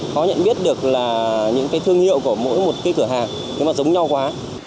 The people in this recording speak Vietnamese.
khó nhận biết được những thương hiệu của mỗi một cửa hàng giống nhau quá